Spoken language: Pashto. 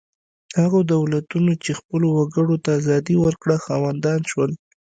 هغو دولتونو چې خپلو وګړو ته ازادي ورکړه خاوندان شول.